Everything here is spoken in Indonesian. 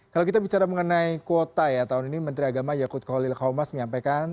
kalau kita bicara mengenai kuota ya tahun ini menteri agama yakut kolil khomas menyampaikan